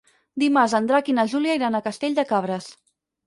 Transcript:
Dimarts en Drac i na Júlia iran a Castell de Cabres.